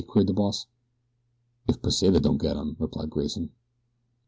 queried the boss. "If Pesita don't get 'em," replied Grayson.